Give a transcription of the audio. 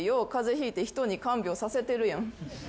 ひいて人に看病させてるやん。